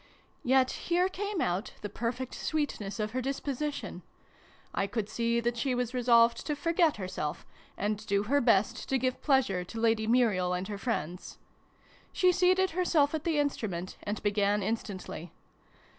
Yet here came out the perfect sweet ness of her disposition : I could see that she was resolved to forget herself, and do her best to give pleasure to Lady Muriel and her friends. She seated herself at the instrument, and began instantly.